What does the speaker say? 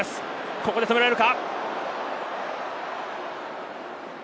ここで止められるか？